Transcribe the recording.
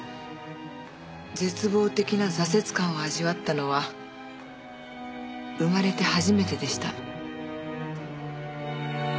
絶望的な挫折感を味わったのは生まれて初めてでした。